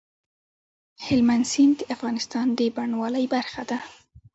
هلمند سیند د افغانستان د بڼوالۍ برخه ده.